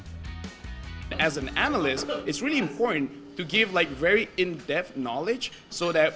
sebagai analis sangat penting untuk memberikan pengetahuan yang dalam